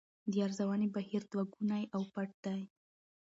د ارزونې بهیر دوه ګونی او پټ دی.